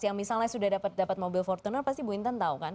yang misalnya sudah dapat mobil fortuner pasti bu intan tahu kan